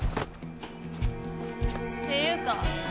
っていうか